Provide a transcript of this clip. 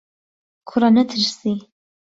کوڕه نهترسی